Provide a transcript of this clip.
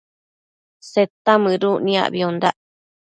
Seta mëduc niacbiondac